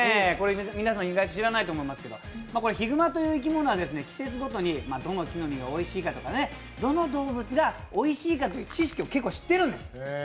皆さん意外と知らないと思いますけど、ヒグマという生き物は季節ごとに、どの木の実がおいしいかとかどの動物がおいしいかっていう知識を結構知ってるんです。